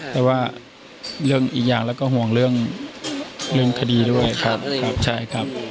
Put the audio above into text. แต่ว่าเรื่องอีกอย่างแล้วก็ห่วงเรื่องคดีด้วยครับใช่ครับ